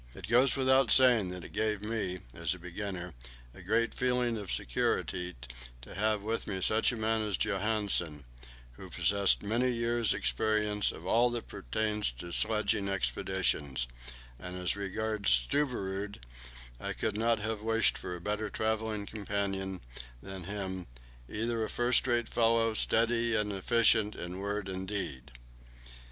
It goes without saying that it gave me, as a beginner, a great feeling of security to have with me such a man as Johansen, who possessed many years' experience of all that pertains to sledging expeditions; and as regards Stubberud, I could not have wished for a better travelling companion than him either a first rate fellow, steady and efficient in word and deed.